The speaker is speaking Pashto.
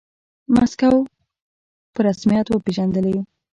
موسکو په رسميت وپیژندلې.